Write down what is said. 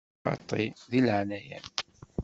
Xaṭi, deg leɛnaya-m!